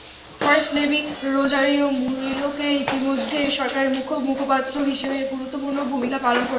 First lady Rosario মুরিলোকে ইতিমধ্যে সরকারের মুখ্য মুখপাত্র হিসেবে গুরুত্বপূর্ণ ভূমিকা পালন করছেন।